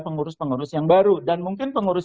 pengurus pengurus yang baru dan mungkin pengurus